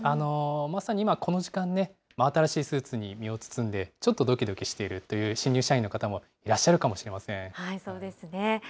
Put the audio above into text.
まさに今、この時間ね、真新しいスーツに身を包んで、ちょっとどきどきしているという新入社員の方もいらっしゃるかもそうですね。